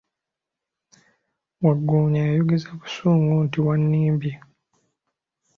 Waggoonya yayogeza busungu nti, wannimbye!